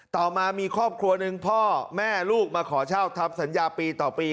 ต่อแม่ลูกมาขอเช่าทำสัญญาปีต่อปี